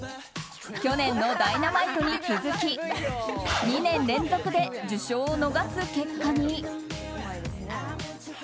去年の「Ｄｙｎａｍｉｔｅ」に続き２年連続で受賞を逃す結果に。